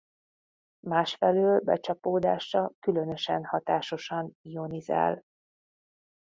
Másfelől becsapódása különösen hatásosan ionizál.